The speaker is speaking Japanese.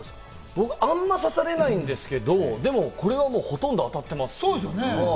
僕あんまり刺されないんですけれども、これはほとんど当たってます。